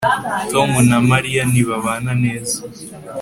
Tom na Mariya ntibabana neza